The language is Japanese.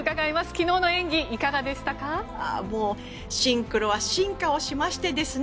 昨日の演技いかがでしたか。